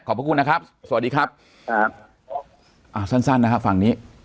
ขอบคุณครับสวัสดีครับสั้นนะครับฝั่งนี้